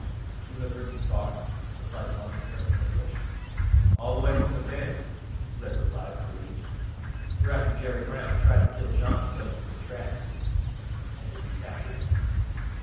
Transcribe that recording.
"You have ridden far?" replied the monk in perfect English. "All th' way from th' Bend," Red replied, relieved. "We're after Jerry Brown. He tried to kill Johnny, judgin' from th' tracks." "And if you capture him?"